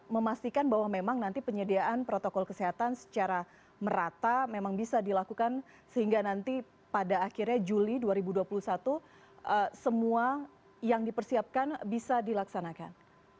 memastikan bahwa memang nanti penyediaan protokol kesehatan secara merata memang bisa dilakukan sehingga nanti pada akhirnya juli dua ribu dua puluh satu semua yang dipersiapkan bisa dilaksanakan